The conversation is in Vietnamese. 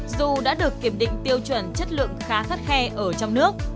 dù đã được kiểm định tiêu chuẩn chất lượng khá khắt khe ở trong nước